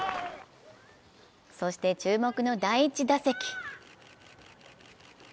そして注目の第１打席。